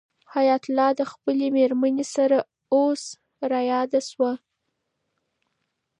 حیات الله ته د خپلې مېرمنې خبره اوس رایاده شوه.